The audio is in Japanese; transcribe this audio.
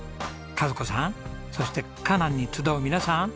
和子さんそしてかなんに集う皆さん。